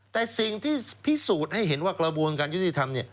แต่สิ่งที่พิสูจน์ให้เห็นว่ากระบวนการยุติธรรมเนี่ย